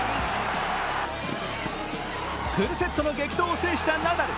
フルセットの激闘を制したナダル。